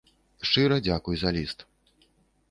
Шчыра дзякуй за ліст.